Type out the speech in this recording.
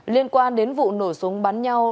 liên quan đến vụ nổ súng bắn nhau